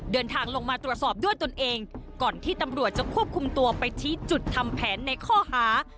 เดินทางลงมาตรวจสอบด้วยตนเองก่อนที่ตำรวจจะควบคุมตัวไปชี้จุดทำแผนในข้อหา